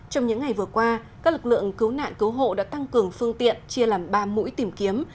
trong những ngày vừa qua các lực lượng cứu nạn cứu hộ đã tăng cường phương tiện chia làm ba mũi tìm kiếm